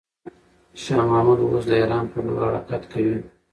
شاه محمود اوس د ایران پر لور حرکت کوي.